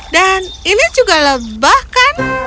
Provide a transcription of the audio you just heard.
dan ini juga lebah kan